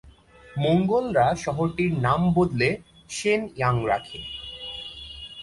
মঙ্গোলরা শহরটির নাম বদলে শেন-ইয়াং রাখে।